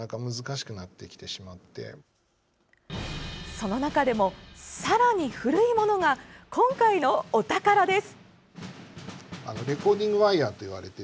その中でもさらに古いものが今回のお宝です！